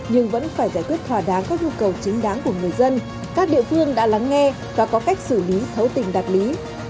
nhưng vẫn phải giải quyết hòa đáng các nhu cầu chính đáng của người dân các địa phương đã lắng nghe và có cách xử lý thấu tình đạt lý